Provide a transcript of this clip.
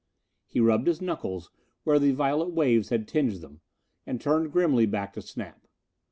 He rubbed his knuckles where the violet waves had tinged them, and turned grimly back to Snap.